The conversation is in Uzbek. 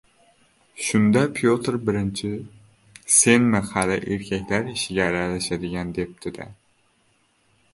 Shunda Pyotr I senmi hali erkaklar ishiga aralashadigan, debdi-da